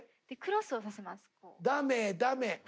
ダメダメえ？